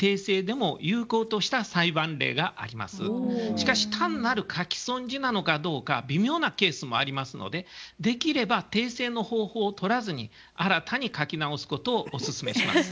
しかし単なる書き損じなのかどうか微妙なケースもありますのでできれば訂正の方法をとらずに新たに書き直すことをおすすめします。